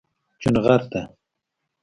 چونغرته